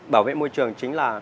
bảo vệ môi trường chính là